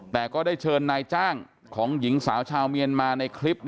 แต่ก็ได้เชิญนายจ้างของหญิงสาวชาวเมียนมาในคลิป